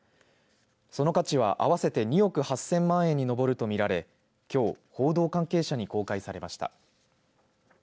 その価値は合わせて２億８０００万円に上ると見られきょう報道関係者に公開されました。